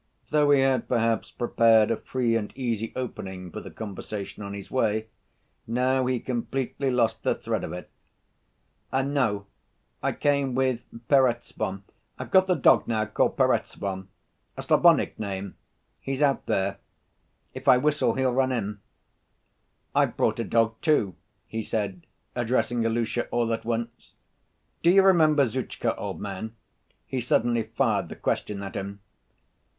Though he had perhaps prepared a free‐and‐easy opening for the conversation on his way, now he completely lost the thread of it. "No ... I came with Perezvon. I've got a dog now, called Perezvon. A Slavonic name. He's out there ... if I whistle, he'll run in. I've brought a dog, too," he said, addressing Ilusha all at once. "Do you remember Zhutchka, old man?" he suddenly fired the question at him.